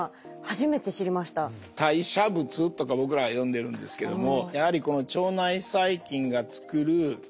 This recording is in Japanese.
「代謝物」とか僕らは呼んでるんですけども。